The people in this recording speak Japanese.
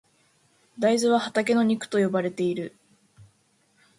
大豆は畑の肉と呼ばれている。